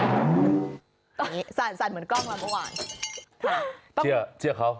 แบบนี้สั่นเหมือนกล้องละเพราะว่า